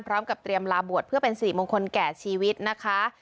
พร้อมกับเตรียมลาบวชเพื่อเป็นสิริมงคลแก่ชีวิตนะคะ